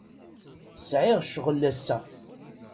Sɛiɣ ccɣel ass-a.